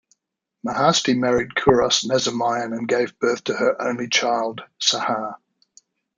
Mahasti married Kouros Nazemiyan and gave birth to her only child, Sahar.